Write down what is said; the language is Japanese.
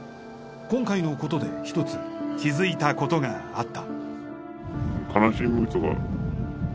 今回のことで一つ気づいたことがあった。